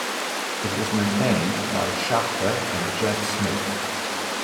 It was maintained by Schachter and Jeff Smith.